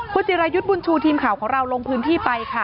คุณจิรายุทธ์บุญชูทีมข่าวของเราลงพื้นที่ไปค่ะ